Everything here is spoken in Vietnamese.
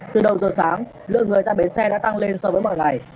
từ đầu giờ sáng lượng người ra bến xe đã tăng lên so với mọi ngày